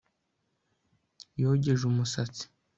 Yogeje umusatsi